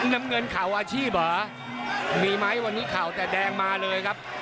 น้ำเงินเข่าอาชีพเหรอมีไหมวันนี้เข่าแต่แดงมาเลยครับ